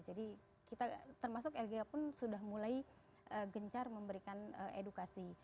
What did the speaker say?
jadi termasuk lgu pun sudah mulai gencar memberikan edukasi